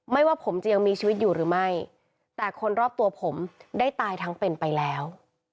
ว่าผมจะยังมีชีวิตอยู่หรือไม่แต่คนรอบตัวผมได้ตายทั้งเป็นไปแล้ว